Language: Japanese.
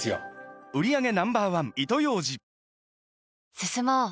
進もう。